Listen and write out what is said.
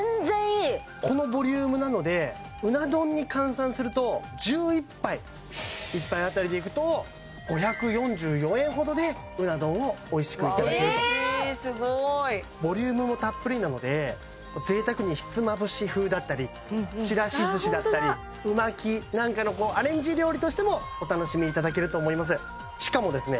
このボリュームなのでうな丼に換算すると１１杯１杯当たりでいくと５４４円ほどでうな丼をおいしくいただけると嬉しいすごいボリュームもたっぷりなので贅沢にひつまぶし風だったりちらしずしだったりう巻きなんかのアレンジ料理としてもお楽しみいただけると思いますしかもですね